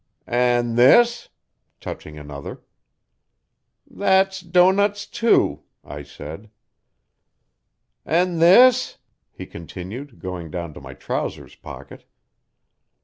'An' this,' touching another. 'That's doughnuts too,' I said. 'An' this,' he continued going down to my trousers pocket.